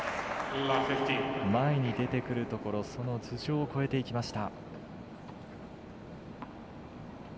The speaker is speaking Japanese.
前に出てくるところその頭上を越えていきました。